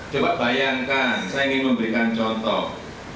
coba bayangkan saya ingin memberikan contoh